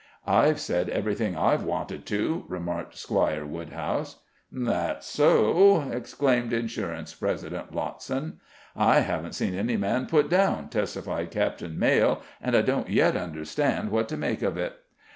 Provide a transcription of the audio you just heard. "I've said everything I've wanted to," remarked Squire Woodhouse. "That's so," exclaimed Insurance President Lottson. "I haven't seen any man put down," testified Captain Maile, "and I don't yet understand what to make of it."